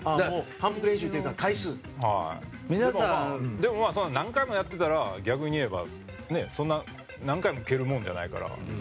でも、何回もやってたら逆に言えば何回も蹴るものじゃないから。